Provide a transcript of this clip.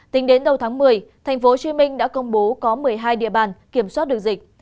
tính đến đầu tháng một mươi tp hcm đã công bố có một mươi hai địa bàn kiểm soát được dịch